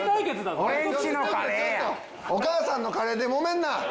お母さんのカレーでもめんな！